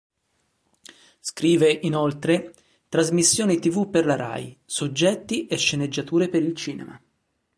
Scrive, inoltre, trasmissioni tv per la Rai, soggetti e sceneggiature per il cinema.